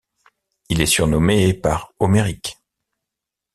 Il est surnommé par Homéric.